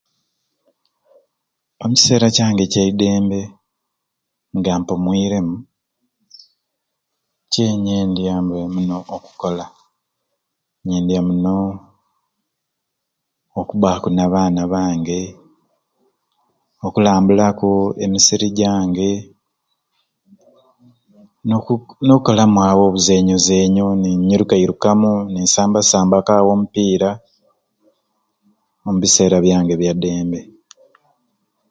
Omukiseera kyange ekyaidembe nga mpumuireemu kyenyendyambe omuno okola nyendya muno okubaku n'abana bange okulambulaku emisiri jange noku nokukolamu awo obuzenyozenyo ninyiruka irukamu ninsamba sambaku awo omupiira ombiseera byange ebya dembe.